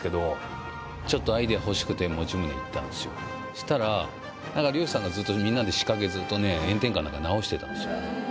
そしたら何か漁師さんがずっとみんなで仕掛けずっとね炎天下の中直してたんですよ。